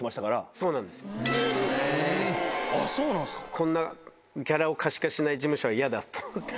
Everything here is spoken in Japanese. こんなギャラを可視化しない事務所は嫌だと思って。